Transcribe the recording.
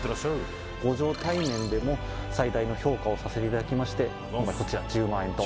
ご状態面でも最大の評価をさせていただきましてこちら、１０万円と。